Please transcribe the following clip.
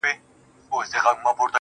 • ته چي راغلې سپين چي سوله تور باڼه.